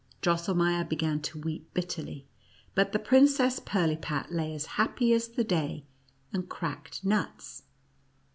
Drosselmeier began to weep bitterly, but the Princess Pirlipat lay as happy as the day, and cracked nuts.